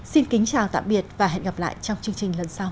xin kính chào tạm biệt và hẹn gặp lại trong chương trình lần sau